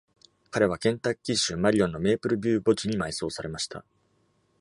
彼はケンタッキー州マリオンのメープルビュー墓地に埋葬されました。